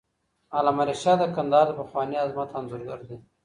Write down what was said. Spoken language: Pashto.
علامه رشاد د کندهار د پخواني عظمت انځورګر دی.